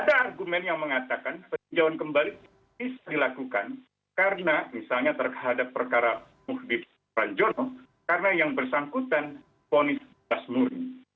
ada argumen yang mengatakan peninjauan kembali bisa dilakukan karena misalnya terhadap perkara muhdib ranjono karena yang bersangkutan ponis bebas murni